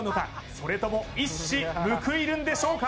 それとも一矢報いるんでしょうか？